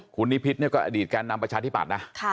คุณนิพิษเนี่ยก็อดีตแกนนำประชาธิบัตินะ